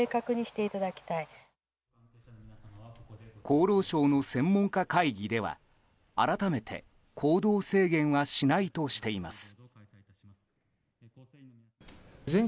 厚労省の専門家会議では改めて行動制限はしないとしています。